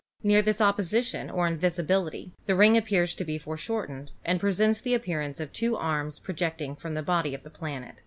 Near this opposition or invisibility the ring ap pears to be foreshortened and presents the appearance of two arms projecting from the body of the planet.